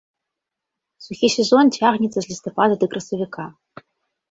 Сухі сезон цягнецца з лістапада да красавіка.